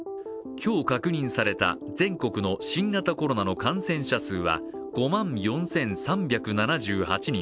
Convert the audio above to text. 今日確認された全国の新型コロナの感染者数は５万４３７８人。